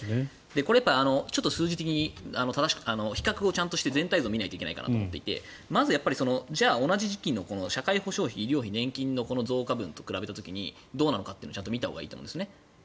これは数字的に正しく比較して全体図を見ないといけないと思っていて同じ時期の社会保障費、医療費年金の増加分と比べた時にどうなのかというのをちゃんと見たほうがいいと思うんです。